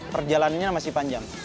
perjalanannya masih panjang